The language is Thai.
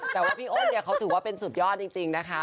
แต่ว่าพี่โอนโค้ถึงว่าเป็นสุดยอดจริงนะคะ